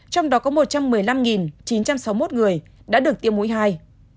trong đó có một trăm một mươi năm chín trăm sáu mươi một người đã được tiêm mũi hai